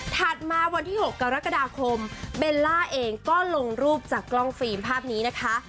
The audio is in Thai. มาวันที่๖กรกฎาคมเบลล่าเองก็ลงรูปจากกล้องฟิล์มภาพนี้นะคะ